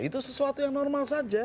itu sesuatu yang normal saja